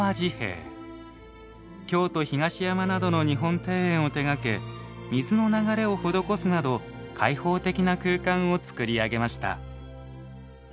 京都・東山などの日本庭園を手がけ水の流れを施すなど開放的な空間をつくり上げました。